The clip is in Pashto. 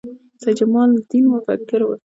سید جمال الدین مفکر و